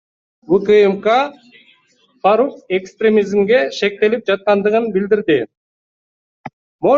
УКМК Фарук экстремизмге шектелип жаткандыгын билдирди.